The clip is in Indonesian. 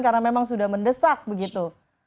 karena memang sudah mendesak begitu